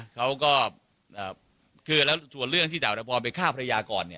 เขาก็คือแล้วส่วนเรื่องที่ดาบทพรไปฆ่าภรรยาก่อน